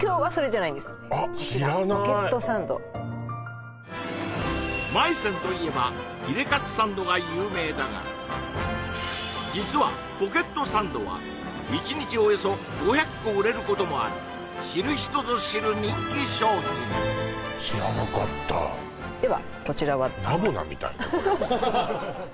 知らないこちらポケットサンドまい泉といえば実はポケットサンドは１日およそ５００個売れることもある知る人ぞ知る人気商品知らなかったではこちらはナボナみたいね